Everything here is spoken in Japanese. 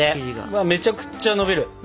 うわめちゃくちゃのびる。